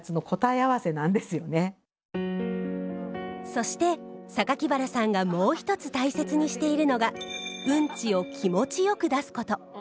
そして原さんがもう一つ大切にしているのがうんちを気持ちよく出すこと。